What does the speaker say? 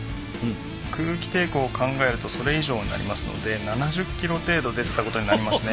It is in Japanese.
空気抵抗を考えるとそれ以上になりますので７０キロ程度出てたことになりますね。